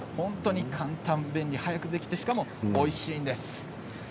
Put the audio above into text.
簡単、便利、早くできてしかも、おいしいんです。